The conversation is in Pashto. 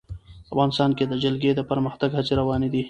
افغانستان کې د جلګه د پرمختګ هڅې روانې دي.